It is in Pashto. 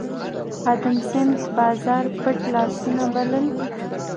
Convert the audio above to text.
ادم سمېت بازار پټ لاسونه بلل